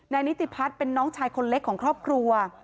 นิติพัฒน์เป็นน้องชายคนเล็กของครอบครัว